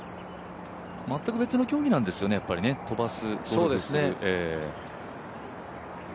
全く別の競技なんですよね、飛ばす、プレーをする。